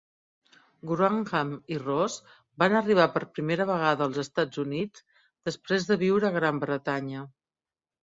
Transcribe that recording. Wrangham i Ross van arribar per primera vegada als Estats Units després de viure a Gran Bretanya.